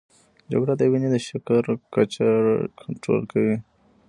جگر د وینې د شکر کچه کنټرول کوي.